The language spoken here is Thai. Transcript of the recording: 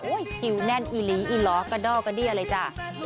โอ๊ยหิวแน่นอีหลีอีหลอกะดอกะเดี้ยเลยจ้ะ